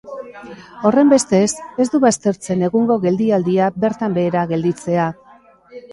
Horrenbestez, ez du baztertzen egungo geldialdia bertan behera gelditzea.